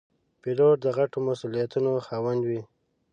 پیلوټ د غټو مسوولیتونو خاوند وي.